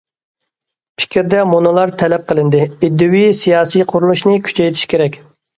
« پىكىر» دە مۇنۇلار تەلەپ قىلىندى: ئىدىيەۋى سىياسىي قۇرۇلۇشنى كۈچەيتىش كېرەك.